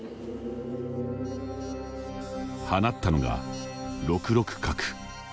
放ったのが、６六角。